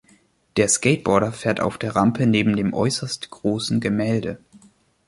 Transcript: Der Skateboarder fährt auf der Rampe neben dem äußerst großen Gemälde.